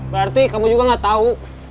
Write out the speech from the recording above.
berarti kamu juga gak tau